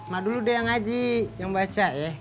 mah dulu deh yang ngaji yang baca ya